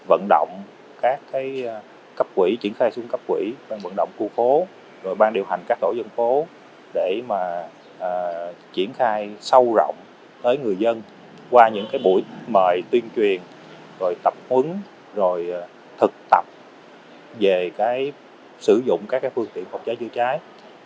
rồi vận động các cái cấp quỹ triển khai xuống cấp quỹ vận động khu phố rồi ban điều hành các tổ dân phố để mà triển khai sâu rộng tới người dân qua những cái buổi mời tuyên truyền rồi tập huấn rồi thực tập về cái sử dụng các cái phương tiện phòng cháy chữa cháy